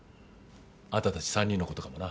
あんたたち３人のことかもな。